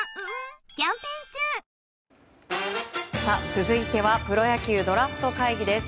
続いてはプロ野球ドラフト会議です。